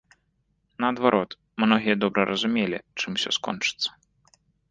Наадварот, многія добра разумелі, чым усё скончыцца.